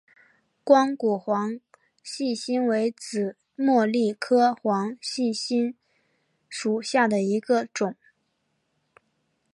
光果黄细心为紫茉莉科黄细心属下的一个种。